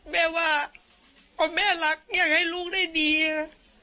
แม่ว่าพอแม่รักอยากให้ลูกได้ดี